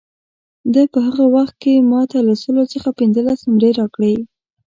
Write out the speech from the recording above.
ده په هغه وخت کې ما ته له سلو څخه پنځلس نمرې راکړې.